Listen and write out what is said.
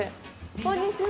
こんにちは。